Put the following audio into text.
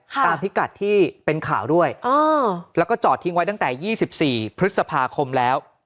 ค่ะตามพิกัดที่เป็นข่าวด้วยอ๋อแล้วก็จอดทิ้งไว้ตั้งแต่ยี่สิบสี่พฤษภาคมแล้ว